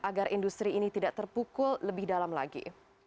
agar industri ini tidak terpukul lebih dalam lagi